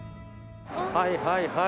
はいはいはい。